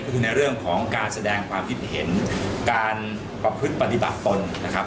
ก็คือในเรื่องของการแสดงความคิดเห็นการประพฤติปฏิบัติตนนะครับ